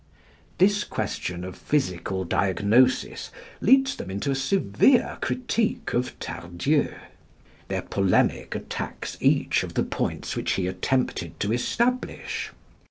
This question of physical diagnosis leads them into a severe critique of Tardieu. Their polemic attacks each of the points which he attempted to establish.